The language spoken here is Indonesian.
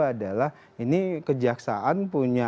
adalah ini kejaksaan